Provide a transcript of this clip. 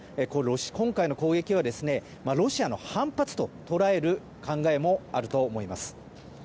今回の攻撃はロシアの反発と捉える考えもあると思います。